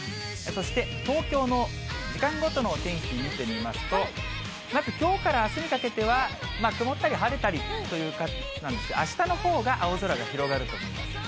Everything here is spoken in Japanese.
そして東京の時間ごとのお天気見てみますと、まずきょうからあすにかけては、曇ったり晴れたりという感じなんですが、あしたのほうが青空が広がると思います。